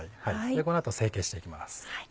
この後成形していきます。